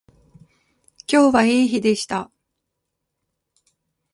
今日はいい日でした